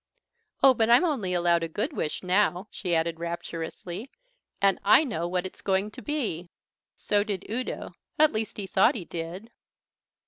"Oh, but I'm only allowed a good wish now." She added rapturously, "And I know what it's going to be." So did Udo. At least he thought he did.